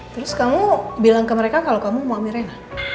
terus kamu bilang ke mereka kalau kamu mau amirin